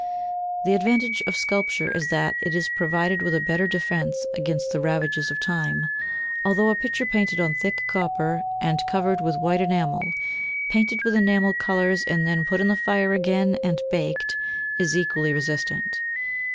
The advantage [of sculpture] is that it is provided with a better defence against the ravages of time, although a picture painted on thick copper and covered over with white enamel, painted with enamel colours and then put in the fire again and baked, is equally resistant.